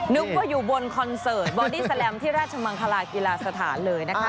นึกว่าอยู่บนคอนเสิร์ตบอดี้แลมที่ราชมังคลากีฬาสถานเลยนะคะ